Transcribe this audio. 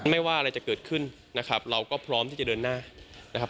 ไม่ว่าอะไรจะเกิดขึ้นเราก็พร้อมที่จะเดินหน้า